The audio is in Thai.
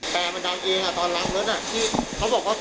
แต่มันดังเองตอนล้างรถที่เขาบอกว่า